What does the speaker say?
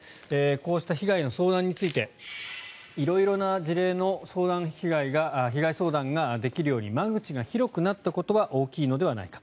こうした被害の相談について色々な事例の被害相談ができるように間口が広くなったことは大きいのではないか。